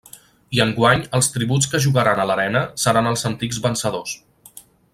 I enguany els tributs que jugaran a l'arena seran els antics vencedors.